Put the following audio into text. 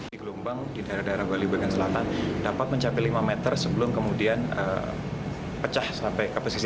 di gelombang di daerah daerah bali bagian selatan dapat mencapai lima meter sebelum kemudian pecah sampai ke pesisir